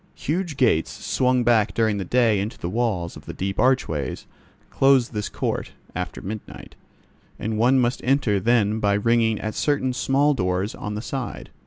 Huge gates, swung back during the day into the walls of the deep archways, close this court, after midnight, and one must enter then by ringing at certain small doors on the side.